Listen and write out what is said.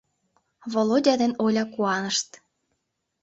— Володя ден Оля куанышт.